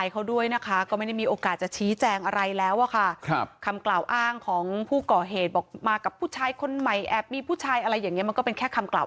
เขาก็ไปมอบตัวที่สศพหนองบุญมาก